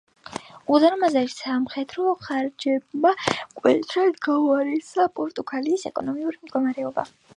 უზარმაზარმა სამხედრო ხარჯებმა მკვეთრად გააუარესა პორტუგალიის ეკონომიკური მდგომარეობა.